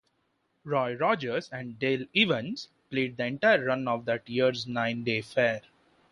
Roy Rogers and Dale Evans played the entire run of that year's nine-day Fair.